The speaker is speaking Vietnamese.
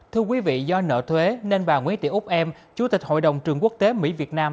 thưa quý vị do nợ thuế nên bà nguyễn tị úc em chủ tịch hội đồng trường quốc tế mỹ việt nam